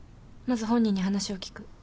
まず本人に話を聞く。